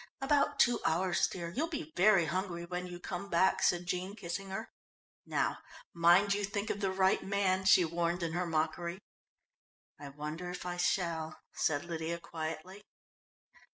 "About two hours, dear, you'll be very hungry when you come back," said Jean, kissing her. "Now, mind you think of the right man," she warned her in mockery. "I wonder if I shall," said Lydia quietly.